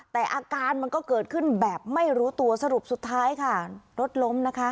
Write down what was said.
แต่อาการมันก็เกิดขึ้นแบบไม่รู้ตัวสรุปสุดท้ายค่ะรถล้มนะคะ